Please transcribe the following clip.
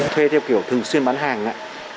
thuê theo kiểu thường xuyên bán hàng ạ